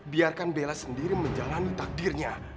biarkan bella sendiri menjalani takdirnya